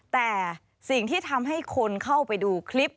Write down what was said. แต่สิ่งที่ทำให้คนเข้าไปดูคลิป